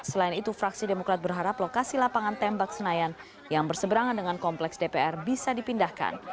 selain itu fraksi demokrat berharap lokasi lapangan tembak senayan yang berseberangan dengan kompleks dpr bisa dipindahkan